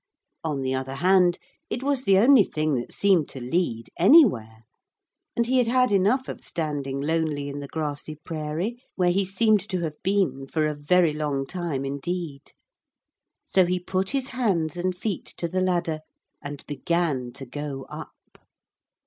On the other hand, it was the only thing that seemed to lead anywhere, and he had had enough of standing lonely in the grassy prairie, where he seemed to have been for a very long time indeed. So he put his hands and feet to the ladder and began to go up.